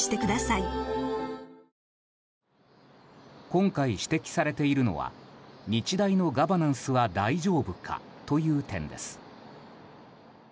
今回指摘されているのは日大のガバナンスは大丈夫かという点です。